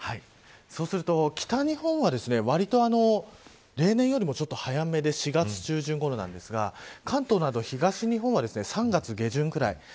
そうすると北日本はわりと例年よりも早めで４月中旬ごろなんですが関東など東日本は３月下旬ぐらい。